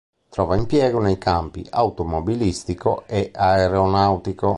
Trova impiego nei campi automobilistico e aeronautico.